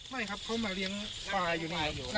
ไม่ครับก็มาเรียงปลายอยู่นี่หน็อ